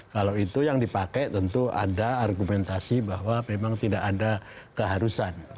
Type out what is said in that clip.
kalau itu yang dipakai tentu ada argumentasi bahwa memang tidak ada keharusan